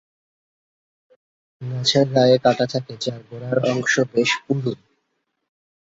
গাছের গায়ে কাঁটা থাকে যার গোড়ার অংশ বেশ পুরু।